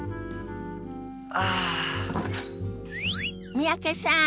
三宅さん